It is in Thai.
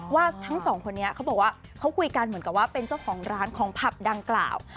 ว่าทั้งสองคนนี้เขาบอกว่าเขาคุยกันเหมือนกับว่าเป็นเจ้าของร้านของผับดังกล่าว